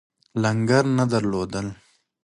لنګر نه درلود.